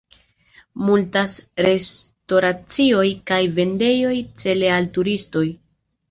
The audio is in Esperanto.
Multas restoracioj kaj vendejoj cele al turistoj.